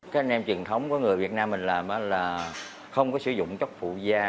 cái nem truyền thống của người việt nam mình là không có sử dụng chất phụ da